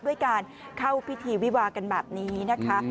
ด้วยการเข้าพิธีวิวากันแบบนี้นะคะ